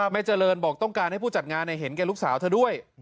เจริญบอกต้องการให้ผู้จัดงานเห็นแก่ลูกสาวเธอด้วย